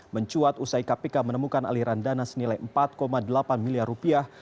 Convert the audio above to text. mencuat usai kpk menemukan aliran dana senilai empat delapan miliar rupiah